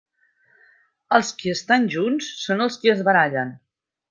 Els qui estan junts són els qui es barallen.